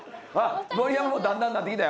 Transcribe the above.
盛山もだんだんなってきたよ。